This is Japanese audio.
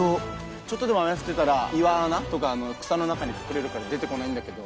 ちょっとでも雨降ってたら岩穴とか草の中に隠れるから出てこないんだけど。